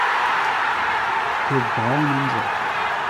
p'eo brav an amzer.